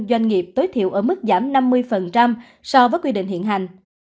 doanh nghiệp tối thiểu ở mức giảm năm mươi so với quy định hiện hành